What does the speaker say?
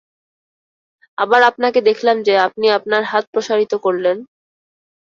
আবার আপনাকে দেখলাম যে, আপনি আপনার হাত প্রসারিত করলেন!